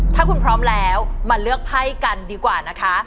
ถ้าคุณพร้อมแล้วมาเลือกไพ่กันดีกว่านะคะ